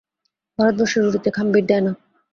ভারতবর্ষে রুটিতে খাম্বির দেয় না।